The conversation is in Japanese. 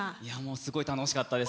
すごい楽しかったです。